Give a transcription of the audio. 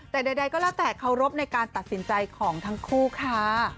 แต่ใดก็แล้วแต่เคารพในการตัดสินใจของทั้งคู่ค่ะ